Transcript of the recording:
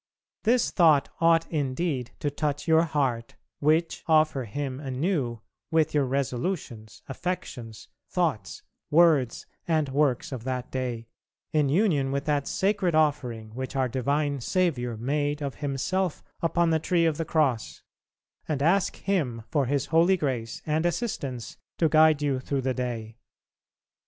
This thought ought indeed to touch your heart, which offer Him anew with your resolutions, affections, thoughts, words and works of that day, in union with that sacred offering which our divine Saviour made of Himself upon the tree of the cross, and ask Him for His holy grace and assistance to guide you through the day.